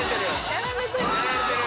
やられてる。